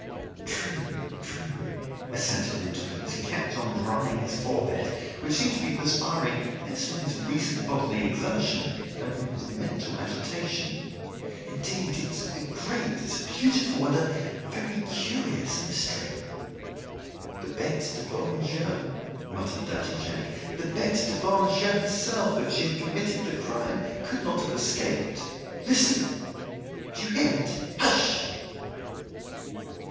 "True, true," assented Rouletabille as he kept on drying his forehead, which seemed to be perspiring less from his recent bodily exertion than from his mental agitation. "Indeed, it's a great, a beautiful, and a very curious mystery." "The Bete du bon Dieu," muttered Daddy Jacques, "the Bete du bon Dieu herself, if she had committed the crime, could not have escaped. Listen! Do you hear it? Hush!"